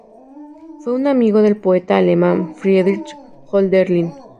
Fue un amigo del poeta alemán Friedrich Hölderlin.